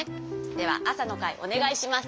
ではあさのかいおねがいします。